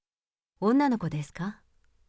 女の子ですか？